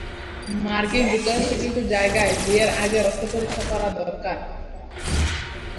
মার্কিন যুক্তরাষ্ট্রের কিছু জায়গায় বিয়ের আগে রক্ত পরীক্ষা করা দরকার।